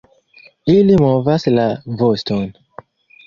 Ili movas la voston.